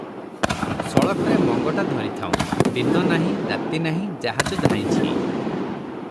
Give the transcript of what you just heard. ସଳଖରେ ମଙ୍ଗଟା ଧରିଥାଉଁ, ଦିନ ନାହିଁ, ରାତି ନାହିଁ, ଜାହାଜ ଧାଇଁଛି ।